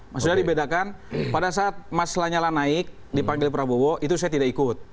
maksudnya dibedakan pada saat mas lanyala naik dipanggil prabowo itu saya tidak ikut